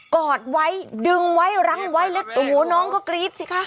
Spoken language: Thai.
กอดไว้ดึงไว้รั้งไว้หนูน้องก็กรี๊บค่ะ